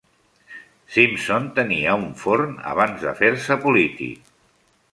Simpson tenia un forn abans de fer-se polític.